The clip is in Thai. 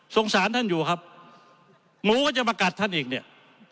สารท่านอยู่ครับหมูก็จะมากัดท่านอีกเนี่ย